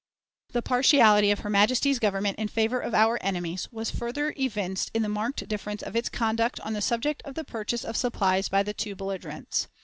The partiality of her Majesty's Government in favor of our enemies was further evinced in the marked difference of its conduct on the subject of the purchase of supplies by the two belligerents.